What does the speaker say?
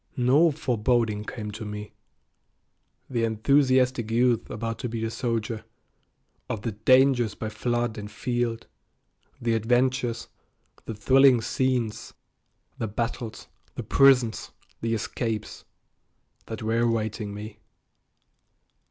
No foreboding came to me, the enthusiastic youth about to be a soldier, of the "dangers by flood and field," the adventures, the thrilling scenes, the battles, the prisons, the escapes, that were awaiting me.